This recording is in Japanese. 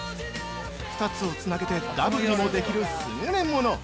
２つをつなげて、ダブルにもできる優れもの。